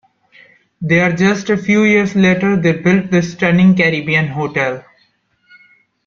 There just a few years later they built the stunning Caribbean hotel.